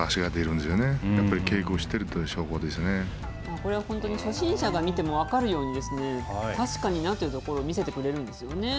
これは本当に初心者が見ても分かるようにですね、確かになというところを見せてくれるんですよね。